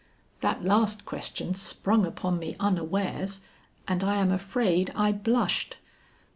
That last question sprung upon me unawares, and I am afraid I blushed.